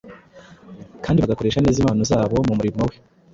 kandi bagakoresha neza impano zabo mu murimo We.